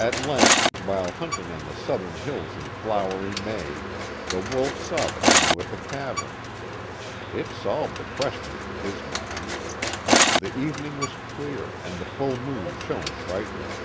At length, while hunting on the southern hills in flowery May, the Wolf saw the canoe at the cavern. It solved the question in his mind. The evening was clear, and the full moon shone brightly.